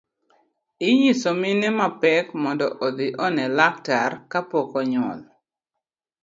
Inyiso mine mapek mondo odhi one laktar kapok ginyuol.